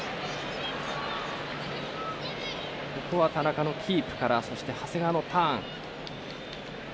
ここは、田中のキープからそして、長谷川のターン。